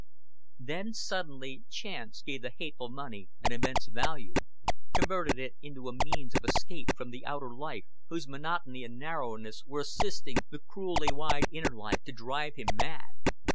Then suddenly chance gave the hateful money an immense value, converted it into a means of escape from the outer life whose monotony and narrowness were assisting the cruelly wide inner life to drive him mad.